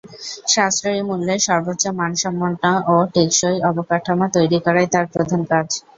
সাশ্রয়ী মূল্যে সর্বোচ্চ মান সম্পন্ন ও টেকসই অবকাঠামো তৈরি করাই তার প্রধান কাজ।